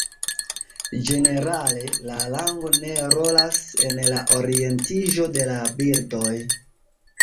Ĝenerale, la lango ne rolas en la orientiĝo de la birdoj.